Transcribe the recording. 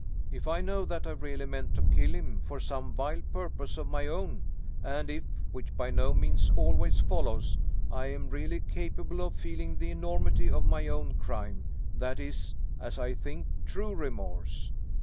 If I know that I really meant to kill him, for some vile purpose of my own; and if (which by no means always follows) I am really capable of feeling the enormity of my own crime that is, as I think, true remorse.